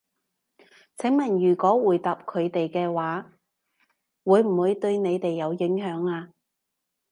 請問如果回答佢哋嘅話，會唔會對你哋有影響呢？